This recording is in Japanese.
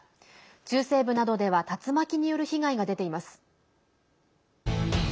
中西部などでは竜巻による被害が出ています。